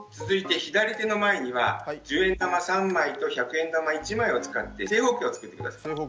続いて左手の前には１０円玉３枚と１００円玉１枚を使って正方形を作って下さい。